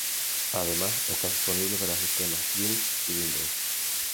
Además está disponible para sistemas Unix y Windows.